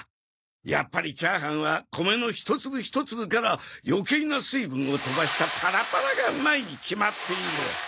やっぱりチャーハンは米の一粒一粒から余計な水分を飛ばしたパラパラがうまいに決まっている。